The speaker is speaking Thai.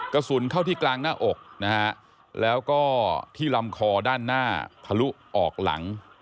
กระสุนเข้าที่กลางหน้าอกนะฮะแล้วก็ที่ลำคอด้านหน้าทะลุออกหลัง